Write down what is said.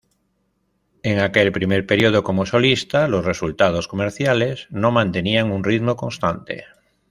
En aquel primer período como solista, los resultados comerciales no mantenían un ritmo constante.